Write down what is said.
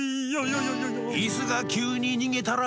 「イスがきゅうににげたら」